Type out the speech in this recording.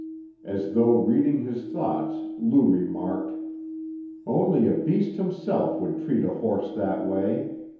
As though reading his thoughts, Lou remarked: "Only a beast himself would treat a horse that way.